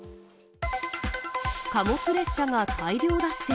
貨物列車が大量脱線。